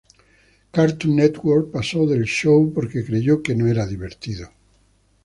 Cartoon Network pasó del show porque creyó que no era divertido.